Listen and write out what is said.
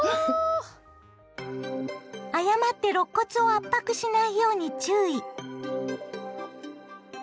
誤ってろっ骨を圧迫しないように注意！